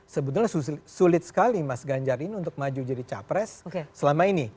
sebetulnya sulit sekali mas ganjar ini untuk maju jadi capres selama ini